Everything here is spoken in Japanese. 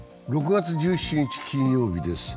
６月１７日金曜日です。